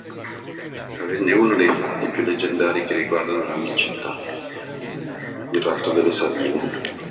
Avvenne uno dei fatti più leggendari che riguarda la mia città: il ratto delle Sabine.